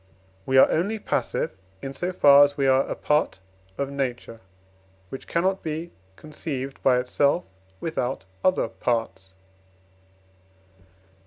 We are only passive, in so far as we are apart of Nature, which cannot be conceived by itself without other parts.